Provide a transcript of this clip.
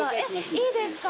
いいですか？